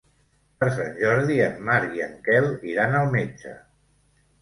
Per Sant Jordi en Marc i en Quel iran al metge.